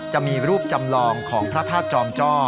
จะมีรูปจำลองของพระธาตุจอมจ้อ